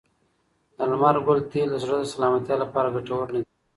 د لمر ګل تېل د زړه د سلامتیا لپاره ګټور نه دي.